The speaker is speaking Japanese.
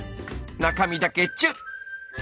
中身だけチュッ！